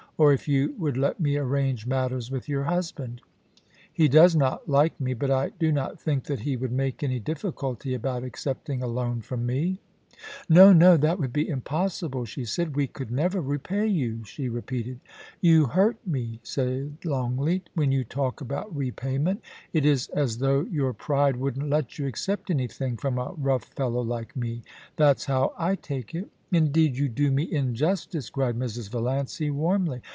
Or if you would let me arrange matters with your husband. ... He does not like me, but I do not think that he would make any difficulty about accepting a loan from me.' * No, no ; that would be impossible,' she said ;* we could never repay you,' she repeated. *You hurt me,' said Longleat, 'when you talk about repayment It is as though your pride wouldn't let you accept anything from a rough fellow like me. That's how I take it* * Indeed, you do me injustice,' cried Mrs. Valiancy, warmly.